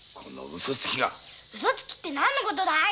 ウソつきって何の事だい？